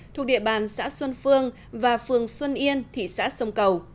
thuộc địa bàn xã xuân phương và phường xuân yên thị xã sông cầu